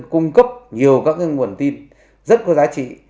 cung cấp nhiều các nguồn tin rất có giá trị